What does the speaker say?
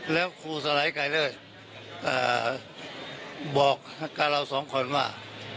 แล้วครูสไลด์ไก่เลยบอกกับเราสองคนว่า